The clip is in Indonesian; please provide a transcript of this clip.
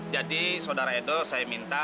jadi saudara edo saya minta